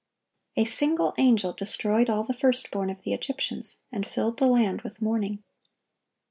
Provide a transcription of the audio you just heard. A single angel destroyed all the first born of the Egyptians, and filled the land with mourning.